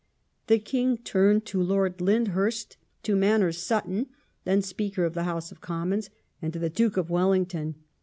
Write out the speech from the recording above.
The King turned to Lord Lynd huret, to Mannei*s Sutton (then Speaker of the House of Commons), and to the Duke of Wellington.